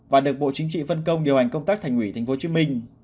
và được bộ chính trị phân công điều hành công tác thành ủy tp hcm